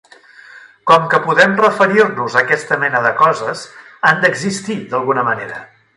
Com que podem referir-nos a aquesta mena de coses, han d'existir d'alguna manera.